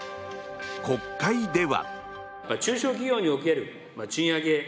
国会では。